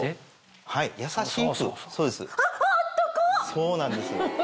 そうなんです。